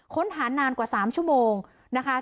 ค้นหานานกว่า๓ชั่วโมงนะคะ